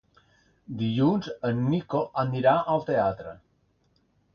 Dilluns en Nico anirà al teatre.